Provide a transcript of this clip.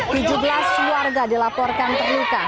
tujuh belas warga dilaporkan terluka